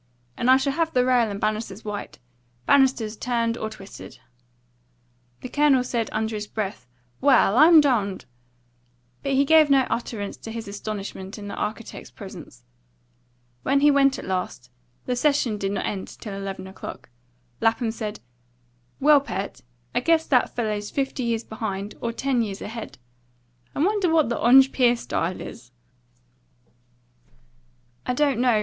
And I should have the rail and banisters white banisters turned or twisted." The Colonel said under his breath, "Well, I'm dumned!" but he gave no utterance to his astonishment in the architect's presence. When he went at last, the session did not end till eleven o'clock, Lapham said, "Well, Pert, I guess that fellow's fifty years behind, or ten years ahead. I wonder what the Ongpeer style is?" "I don't know.